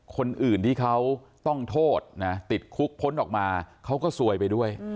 คนอื่นที่เขาต้องโทษนะติดคุกพ้นออกมาเขาก็ซวยไปด้วย